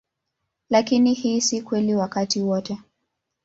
Lakini hii si kweli wakati wote.